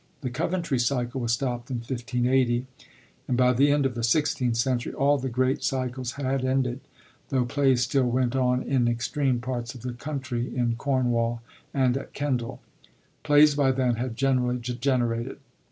* The Coventry cycle was stopt in 1580; and by the end of the sixteenth century all the great cycles had ended, tho' plays still went on in extreme parts of the country, in Cornwall and at Kendal. Plays by then had generally degenerated.